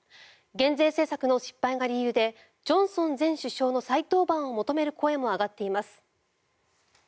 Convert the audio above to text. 減税政策の失敗が理由でジョンソン前首相の再登板を求める声も上がっています。